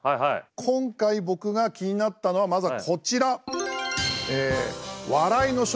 今回僕が気になったのはまずこちら。